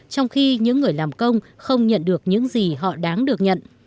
trong khi những người làm công không nhận được những gì họ đáng được nhận